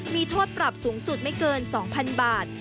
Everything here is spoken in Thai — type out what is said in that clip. มีโทษปรับสูงสุดไม่เกิน๒๐๐๐บาท